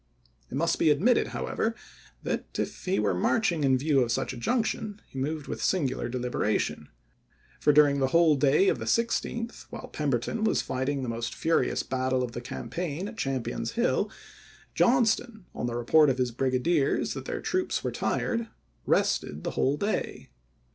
It must be p. i85. admitted however that, if he were marching in view of such a junction, he moved with singular deliberation, for, during the whole day of the 16th, May, i863. while Pemberton was fighting the most furious battle of the campaign at Champion's Hill, John Report' ston, on the report of his brigadiers that their volxxiv., "Part t troops were tired, rested the whole day.